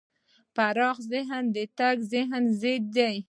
پراخ ذهن د تنگ نظرۍ ضد دی.